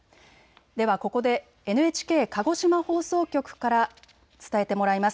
ではここでＮＨＫ鹿児島放送局から伝えてもらいます。